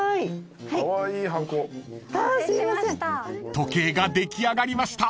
［時計が出来上がりました］